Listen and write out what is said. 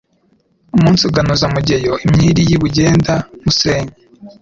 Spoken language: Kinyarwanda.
Umunsi uganuza Mugeyo Imyiri y'i Bugenda musenyi,